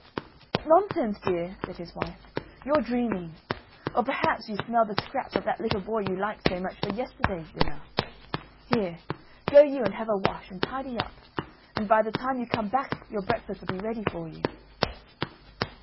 "Nonsense, dear," said his wife, "you're dreaming. Or perhaps you smell the scraps of that little boy you liked so much for yesterday's dinner. Here, go you and have a wash and tidy up, and by the time you come back your breakfast'll be ready for you."